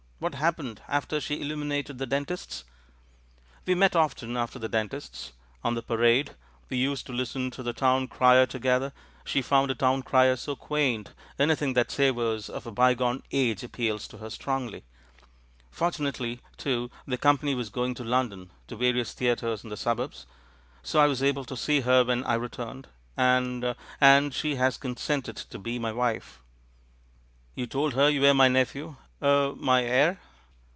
What happened after she illuminated the dentist's?" "We met often after the dentist's — on the Pa rade. We used to listen to the town crier to gether; she found a town crier so quaint; any thing that savours of a bygone age appeals to her strongly. Fortunately, too, the company THE FAVOURITE PLOT 265 was going to London — to various theatres in the suburbs — so I was able to see her when I re turned; and — and she has consented to be my wife." "You told her you were my nephew, eh — ^my heir?"